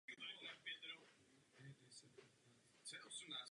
Kostel doplňuje samostatně stojící kamenná zvonice.